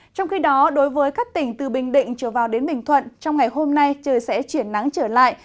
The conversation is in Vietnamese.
trong khi đó đối với các tỉnh từ bình định trở vào đến bình thuận trong ngày hôm nay trời sẽ chuyển nắng trở lại